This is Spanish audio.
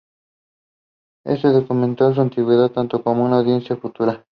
Esto demuestra su antigüedad, tanto como su audiencia futura.